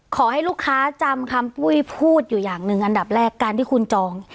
ขอให้ลูกค้าจำคำปุ้ยพูดอยู่อย่างหนึ่งอันดับแรกการที่คุณจอง